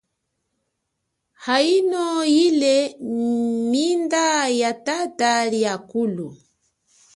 Aino yile minda ya tata liakulu.